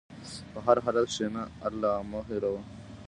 په هر حالت کښېنه، الله مه هېروه.